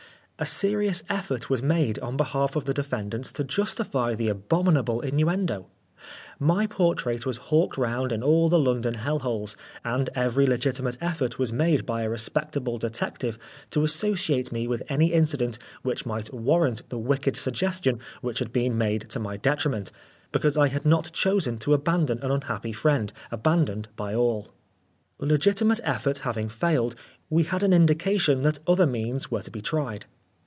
A serious effort was made on behalf of the defendants to justify the abominable innu endo. My portrait was hawked round in all the London hell holes, and every legitimate effort was made by a respectable detective to associate me with any incident which might warrant the wicked suggestion which had been made to my detriment, because I had not chosen to abandon an unhappy friend, abandoned by all. Legitimate effort having failed, we had an indication that other means were to be tried.